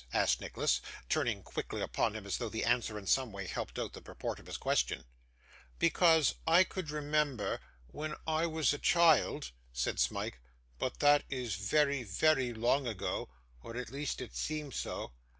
asked Nicholas, turning quickly upon him as though the answer in some way helped out the purport of his question. 'Because I could remember, when I was a child,' said Smike, 'but that is very, very long ago, or at least it seems so.